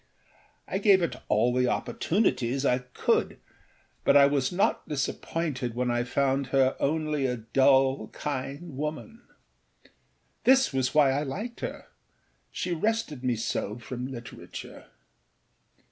I gave it all the opportunities I could, but I was not disappointed when I found her only a dull, kind woman. This was why I liked herâshe rested me so from literature.